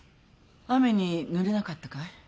雨にぬれなかったかい？